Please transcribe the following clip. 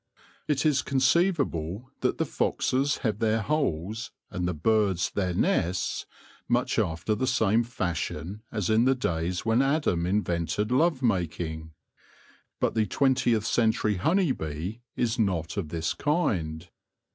It is conceivable that the foxes have their holes, and the birds their nests, much after the same fashion as in the days when Adam invented love making. But the twentieth century honey bee is not of this kind.